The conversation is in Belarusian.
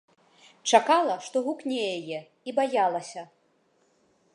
Чакала, што гукне яе, і баялася.